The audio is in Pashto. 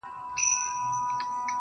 ما دي ویلي کله قبر نایاب راکه.